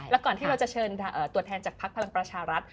แล้วก่อนที่เราจะเชิญตัวแทนจากภักดิ์พลังประชารัฐ